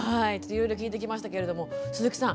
いろいろ聞いてきましたけれども鈴木さん